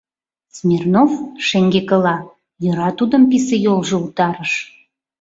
Смирнов — шеҥгекыла, йӧра тудым писе йолжо утарыш.